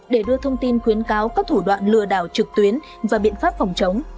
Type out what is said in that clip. để đưa thông tin khuyến cáo các thủ đoạn lừa đảo trực tuyến và biện pháp phòng chống